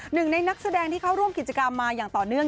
หนึ่งในนักแสดงที่เข้าร่วมกิจกรรมมาอย่างต่อเนื่อง